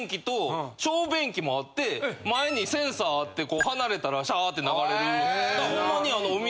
もあって前にセンサーあって離れたらシャーって流れる。